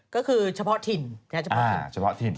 ก็คือเฉพาะถิ่น